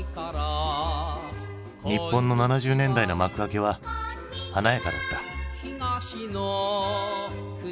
日本の７０年代の幕開けは華やかだった。